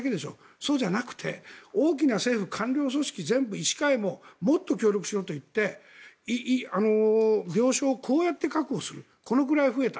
そうじゃなくて大きな政府、官僚組織全部医師会ももっと協力しろと言って病床をこうやって確保するこのくらい増えた。